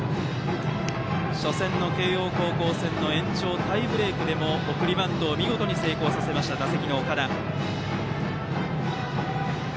初戦の慶応高校戦の延長タイブレークでも送りバントを見事に成功させました打席の岡田。